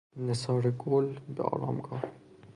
نثار گل به آرامگاه